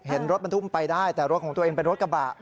เห็นรถบรรทุกไปได้แต่รถของตัวเองเป็นรถกระบะ